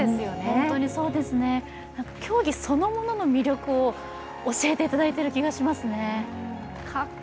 ホントにそうですね、競技そのものの魅力を教えていただいている気がしますね。